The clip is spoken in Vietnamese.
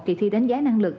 kỳ thi đánh giá năng lực